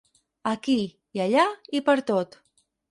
Aquí i allà i pertot.